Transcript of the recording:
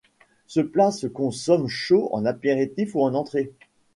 Ce plat se consomme chaud en apéritif ou en entrée.